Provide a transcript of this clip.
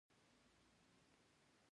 مخکې لاړ شو.